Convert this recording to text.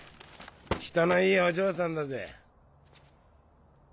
人のいいお嬢さんだぜ！